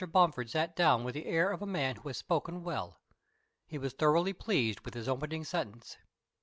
Bomford sat down with the air of a man who has spoken well. He was thoroughly pleased with his opening sentence.